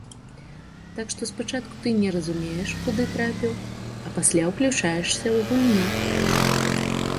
Так што спачатку ты не разумееш, куды трапіў, а пасля ўключаешся ў гульню.